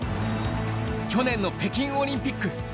去年の北京オリンピック。